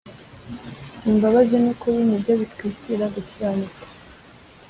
imbabazi n’ukuri ni byo bitwikīra gukiranirwa,